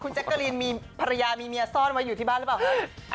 แจ๊กกะรีนมีภรรยามีเมียซ่อนไว้อยู่ที่บ้านหรือเปล่าคะ